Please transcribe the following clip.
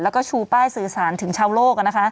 แล้วก็ชูป้ายสื่อสารถึงชาวโลก